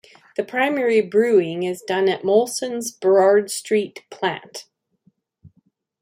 The primary brewing is done at Molson's Burrard Street plant.